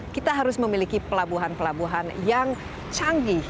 kita harus memiliki pelabuhan pelabuhan yang canggih